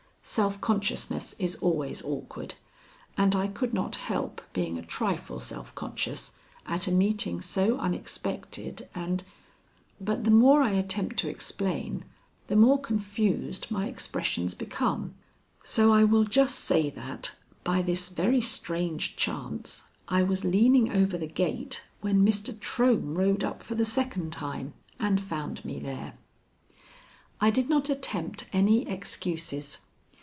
Self consciousness is always awkward, and I could not help being a trifle self conscious at a meeting so unexpected and But the more I attempt to explain, the more confused my expressions become, so I will just say that, by this very strange chance, I was leaning over the gate when Mr. Trohm rode up for the second time and found me there. I did not attempt any excuses.